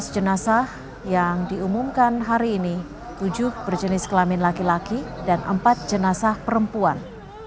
sebelas jenazah yang diumumkan hari ini tujuh berjenis kelamin laki laki dan empat jenazah perempuan